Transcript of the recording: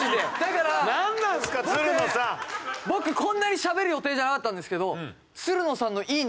僕こんなにしゃべる予定じゃなかったんですけどつるのさんの「いいね」